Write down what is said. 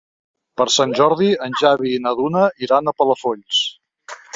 Per Sant Jordi en Xavi i na Duna iran a Palafolls.